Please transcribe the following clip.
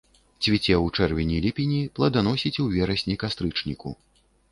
Цвіце ў чэрвені-ліпені, плоданасіць у верасні-кастрычніку.